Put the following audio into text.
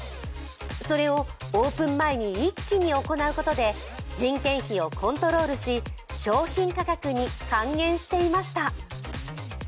それをオープン前に一気に行うことで、人件費をコントロールし、商品価格に還元していました。